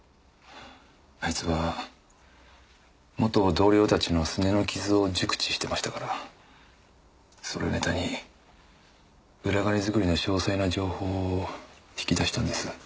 あいつは元同僚たちのすねの傷を熟知してましたからそれをネタに裏金作りの詳細な情報を引き出したんです。